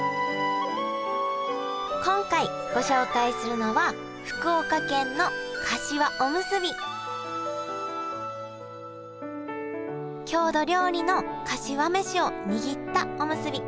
今回ご紹介するのは郷土料理のかしわ飯を握ったおむすび。